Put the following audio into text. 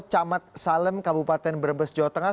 camat salem kabupaten brebes jawa tengah